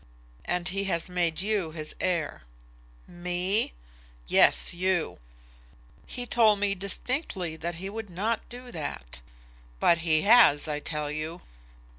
"And he has made you his heir." "Me?" "Yes; you." "He told me distinctly that he would not do that." "But he has, I tell you."